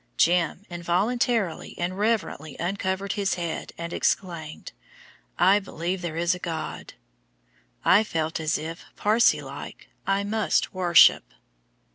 "Jim" involuntarily and reverently uncovered his head, and exclaimed, "I believe there is a God!" I felt as if, Parsee like, I must worship.